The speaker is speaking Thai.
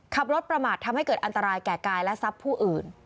ขับรถประมาททำให้เกิดอันตรายแก่กายและทรัพย์ผู้อื่น